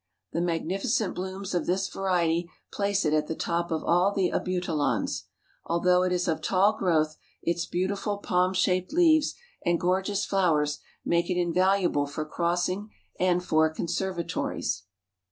"The magnificent blooms of this variety place it at the top of all the Abutilons. Although it is of tall growth its beautiful palm shaped leaves and gorgeous flowers make it invaluable for crossing and for conservatories."